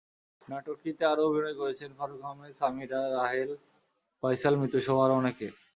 নাটকটিতে আরও অভিনয় করেছেন ফারুক আহমেদ, সামিরা, রাহেল, ফয়সাল, মিতুসহ আরও অনেকে।